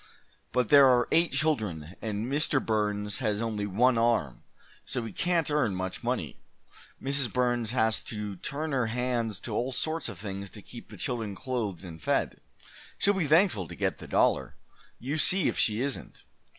But there are eight children, and Mr. Burns has only one arm, so he can't earn much money. Mrs. Burns has to turn her hands to all sorts of things to keep the children clothed and fed. She'll be thankful to get the dollar you see if she isn't!